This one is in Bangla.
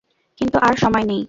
কিন্তু আর সময় নেই।